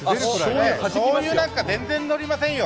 しょうゆなんか全然のりませんよ。